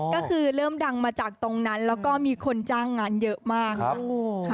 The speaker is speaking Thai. ก็คือเริ่มดังมาจากตรงนั้นแล้วก็มีคนจ้างงานเยอะมากค่ะ